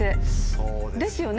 そうですね。